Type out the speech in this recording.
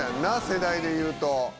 世代でいうと。